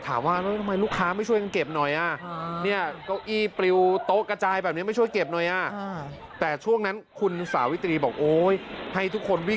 ถามว่าแล้วทำไมลูกค้าไม่ช่วยกันเก็บหน่อยอ่ะ